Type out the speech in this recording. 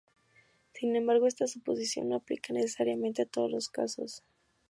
Sin embargo, esta suposición no aplica necesariamente a todos los casos.